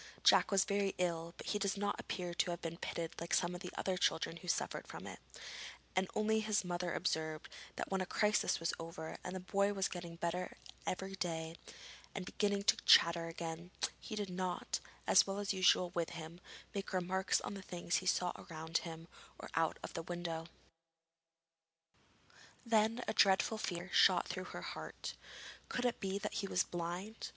Jack was very ill, but he does not appear to have been pitted like some of the other children who suffered from it, and only his mother observed that when the crisis was over and the boy was getting better every day, and beginning to chatter again, he did not, as was usual with him, make remarks on the things he saw around him or out of the window. Then a dreadful fear shot through her heart. Could it be that he was blind?